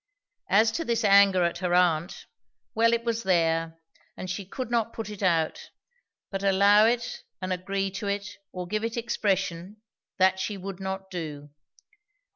As to this anger at her aunt, well, it was there, and she could not put it out; but allow it and agree to it, or give it expression, that she would not do.